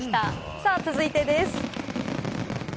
さぁ続いてです。